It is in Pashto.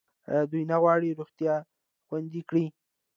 آیا دوی نه غواړي روغتیا خوندي کړي؟